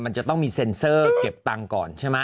มันจะต้องมีเซ็นเซอร์เก็บตังค์ก่อนใช่ไหม